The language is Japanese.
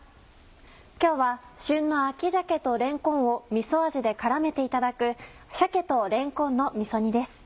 今日は旬の秋鮭とれんこんをみそ味で絡めていただく「鮭とれんこんのみそ煮」です。